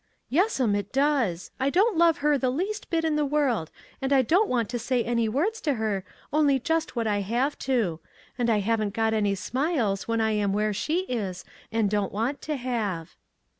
" Yes'm, it does ; I don't love her the least bit in the world and I don't want to say any words to her, only just what I have to ; and I haven't got any smiles when I am where she is, and don't want to have."